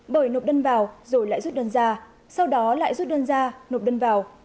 bởi nộp đơn vào rồi lại rút đơn ra sau đó lại rút đơn ra nộp đơn vào